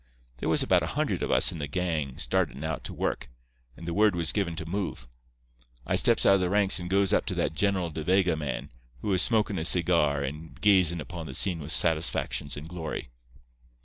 There was about a hundred of us in the gang startin' out to work, and the word was given to move. I steps out of the ranks and goes up to that General De Vega man, who was smokin' a cigar and gazin' upon the scene with satisfactions and glory.